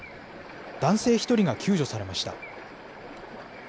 男性１人が救助されました。